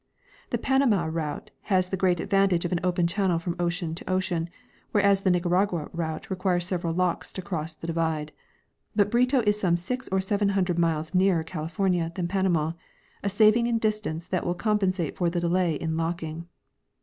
The Panama route had the great ad vantage of an open channel from ocean to, ocean, whereas the Nicaragua route requires several locks to cross the divide ; but Brito is some six or seven hundred miles nearer California than Panama, a saving in distance that will compensate for the delay in locking.